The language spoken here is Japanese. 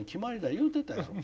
言うてたやん。